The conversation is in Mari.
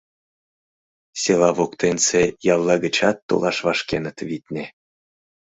Села воктенсе ялла гычат толаш вашкеныт, витне.